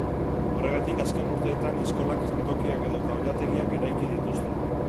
Horregatik, azken urteetan eskolak, jantokiak edo ta oilategiak eraiki dituzte.